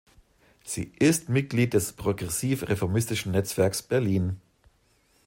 Sie ist Mitglied des progressiv-reformistischen Netzwerks Berlin.